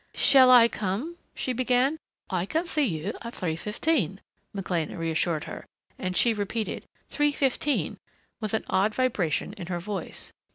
"Shall I come ?" she began. "I can see you at three fifteen," McLean reassured her, and she repeated "Three fifteen," with an odd vibration in her voice.